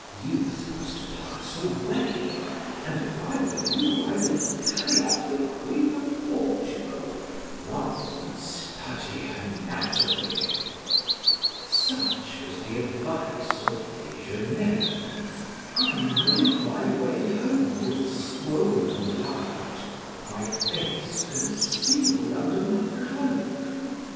Youth must pass away, and if I were you I would carry off the queen of Portugal rather than study anatomy." Such was the advice of Desgenais. I made my way home with swollen heart, my face concealed under my cloak.